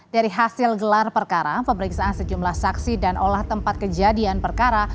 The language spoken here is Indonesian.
dari hasil gelar perkara pemeriksaan sejumlah saksi dan olah tempat kejadian perkara